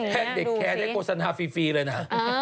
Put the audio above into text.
แพทย์เด็กแคร์ได้กฎสนาฟรีเลยนะ